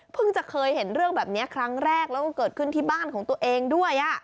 จะเคยเห็นเรื่องแบบนี้ครั้งแรกแล้วก็เกิดขึ้นที่บ้านของตัวเองด้วย